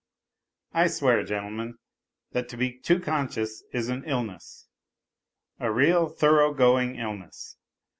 I swear, gentle men, that to be too conscious is an illness a real thorough going illness.